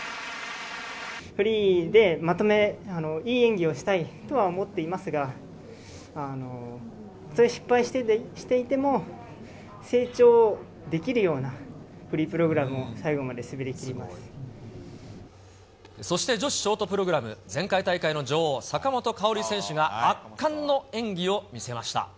フリーでいい演技をしたいとは思っていますが、それが失敗していても成長できるようなフリープログラムを最後まそして、女子ショートプログラム、前回大会の女王、坂本花織選手が、圧巻の演技を見せました。